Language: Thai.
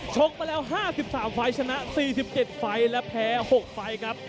ชกมาแล้ว๕๓ไฟล์ชนะ๔๗ไฟล์และแพ้๖ไฟล์ครับ